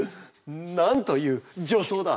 なんという助走だ。